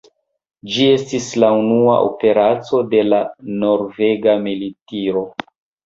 Ĝi estis la unua operaco de la norvega militiro.